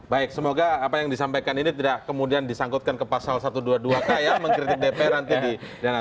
baik semoga apa yang disampaikan ini tidak kemudian disangkutkan ke pasal satu ratus dua puluh dua k ya mengkritik dpr nanti di dana